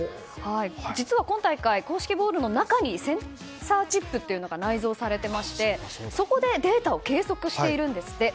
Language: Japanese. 実は今大会、公式ボールの中にセンサーチップというのが内蔵されていまして、そこでデータを計測しているんですって。